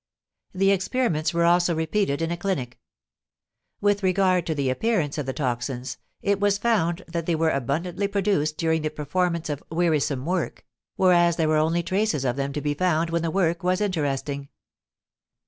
The experiments were also repeated in a clinic. With regard to the appearance of the toxines, it was found that they were abundantly produced during the performance of "wearisome" work, whereas there were only traces of them to be found when the work was "interesting."